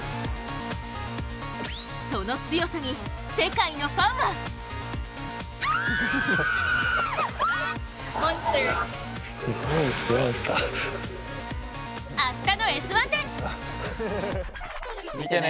その強さに世界のファンは明日の「Ｓ☆１」で！